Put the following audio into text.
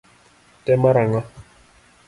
Te mar ang'o?